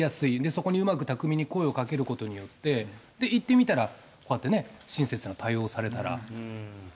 そこにうまく巧みに声をかけることによって、行ってみたら、こうやってね、親切な対応をされたら。